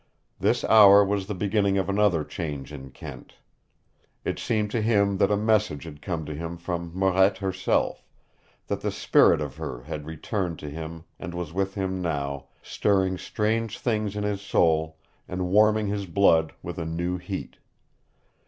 This hour was the beginning of another change in Kent. It seemed to him that a message had come to him from Marette herself, that the spirit of her had returned to him and was with him now, stirring strange things in his soul and warming his blood with a new heat.